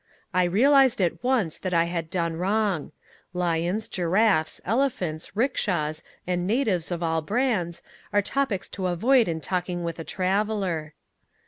I realized at once that I had done wrong lions, giraffes, elephants, rickshaws and natives of all brands, are topics to avoid in talking with a traveller.